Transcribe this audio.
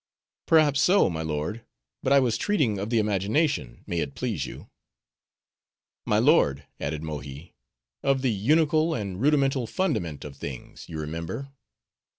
"Perhaps so, my lord; but I was treating of the imagination, may it please you." "My lord," added Mohi, "of the unical, and rudimental fundament of things, you remember."